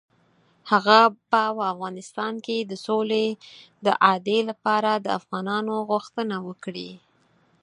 هغه به په افغانستان کې د سولې د اعادې لپاره د افغانانو غوښتنه وکړي.